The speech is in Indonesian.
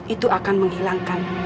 itu akan menghilangkan